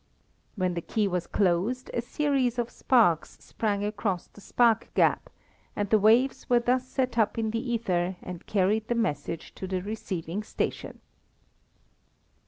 When the key was closed a series of sparks sprang across the spark gap, and the waves were thus set up in the ether and carried the message to the receiving station.